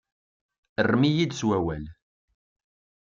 Rrem-iyi-d s wawal.